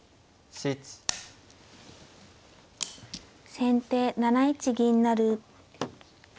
先手７一銀成。